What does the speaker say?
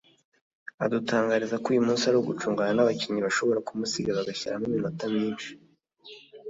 adutangariza ko uyu munsi ari ugucungana n’abakinnyi bashobora kumusiga bakaba bashyiramo iminota myinshi